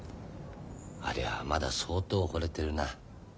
ありゃあまだ相当ほれてるな。